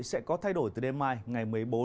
sẽ có thay đổi từ đêm mai ngày một mươi bốn